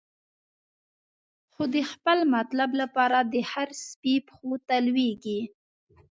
خو د خپل مطلب لپاره، د هر سپی پښو ته لویږی